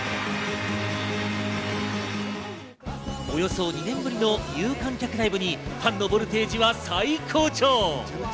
およそ２年ぶりの有観客ライブにファンのボルテージは最高潮。